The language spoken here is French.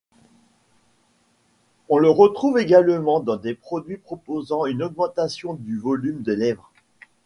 On le retrouve également dans des produits proposant une augmentation du volume des lèvres.